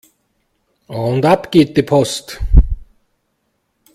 Und ab geht die Post!